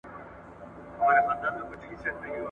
آیا تاسو د سیاه دانې د کښت د دودیزو لارو په اړه معلومات لرئ؟